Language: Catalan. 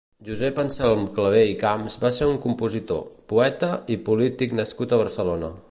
Josep Anselm Clavé i Camps va ser un compositor, poeta i polític nascut a Barcelona.